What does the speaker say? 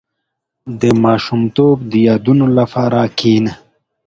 • د ماشومتوب د یادونو لپاره کښېنه.